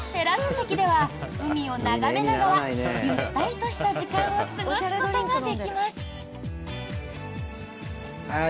席では海を眺めながらゆったりとした時間を過ごすことができます。